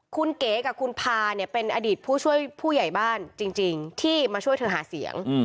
คุณเก๋กับคุณพาเนี่ยเป็นอดีตผู้ช่วยผู้ใหญ่บ้านจริงที่มาช่วยเธอหาเสียง